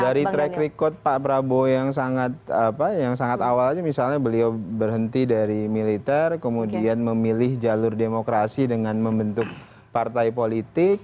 dari track record pak prabowo yang sangat awal aja misalnya beliau berhenti dari militer kemudian memilih jalur demokrasi dengan membentuk partai politik